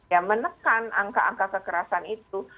ya menekan angka angka kekerasan itu